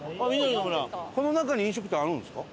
この中に飲食店あるんですか？